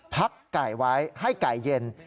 พักไก่ไว้ให้ไก่เย็น